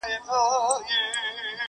د یوه نیکه اولاد بولي ځانونه!.